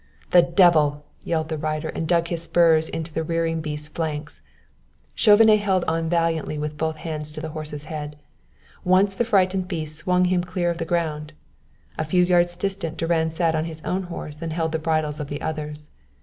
"The devil!" yelled the rider; and dug his spurs into the rearing beast's flanks. Chauvenet held on valiantly with both hands to the horse's head. Once the frightened beast swung him clear of the ground. A few yards distant Durand sat on his own horse and held the bridles of the others.